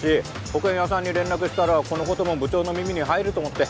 保険屋さんに連絡したらこの事も部長の耳に入ると思って。